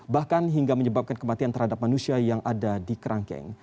bahkan hingga menyebabkan kematian terhadap manusia yang ada di kerangkeng